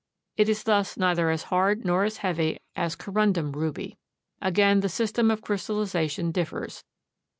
It is thus neither as hard nor as heavy as corundum ruby. Again, the system of crystallization differs.